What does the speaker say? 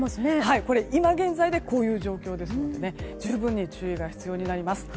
今現在でこういう状況ですので十分に注意が必要になります。